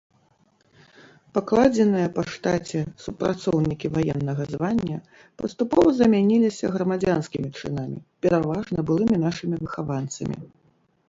Пакладзеныя па штаце супрацоўнікі ваеннага звання паступова замяніліся грамадзянскімі чынамі, пераважна былымі нашымі выхаванцамі.